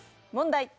問題！